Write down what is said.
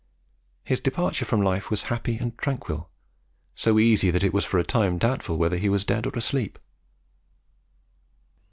His departure from life was happy and tranquil so easy that it was for a time doubtful whether he was dead or asleep.